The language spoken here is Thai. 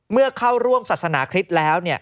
เมื่อเข้าร่วมศาสนาคริสต์แล้ว